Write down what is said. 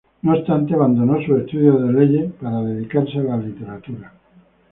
No obstante, abandonó sus estudios de leyes para dedicarse a la literatura.